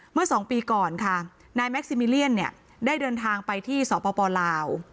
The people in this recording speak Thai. เมื่อ๒ปีก่อนนายแม็กซิมิเลียนได้เดินทางไปที่สปลาว